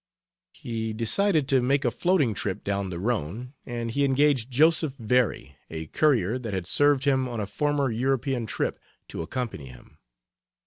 He decided to make a floating trip down the Rhone, and he engaged Joseph Very, a courier that had served him on a former European trip, to accompany him.